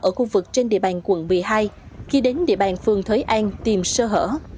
ở khu vực trên địa bàn quận một mươi hai khi đến địa bàn phường thới an tìm sơ hở